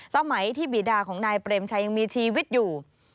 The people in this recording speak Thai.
สมัยที่บีดาของนายเปรมชัยยังมีชีวิตอยู่